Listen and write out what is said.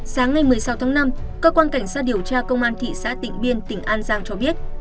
sáng ngày một mươi sáu tháng năm cơ quan cảnh sát điều tra công an thị xã tịnh biên tỉnh an giang cho biết